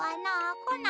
こない。